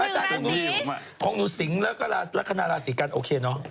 เอาเอาอีกหนึ่งละสีของหนูสิงละครานาละสีกันโอเคเนอะ